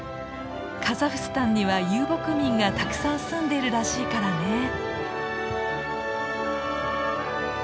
カザフスタンには遊牧民がたくさん住んでいるらしいからね。